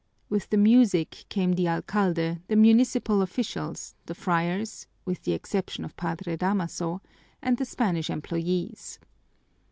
With the music came the alcalde, the municipal officials, the friars, with the exception of Padre Damaso, and the Spanish employees.